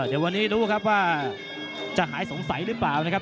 เดี๋ยววันนี้รู้ครับว่าจะหายสงสัยหรือเปล่านะครับ